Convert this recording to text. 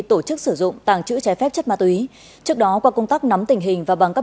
tổ chức sử dụng tàng chữ trái phép chất ma túy trước đó qua công tác nắm tình hình và bằng các